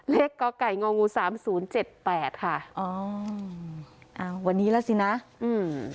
ก่อไก่งองูสามศูนย์เจ็ดแปดค่ะอ๋ออ่าวันนี้แล้วสินะอืม